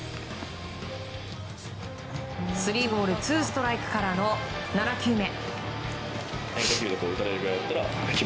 スリーボールツーストライクからの７球目。